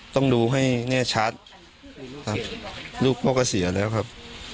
ต้องดูให้แน่ชัดครับลูกพ่อก็เสียแล้วครับ